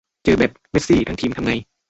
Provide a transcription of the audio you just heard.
เจอแบบเมสซีทั้งทีมทำไง